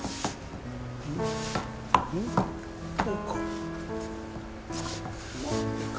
こうか？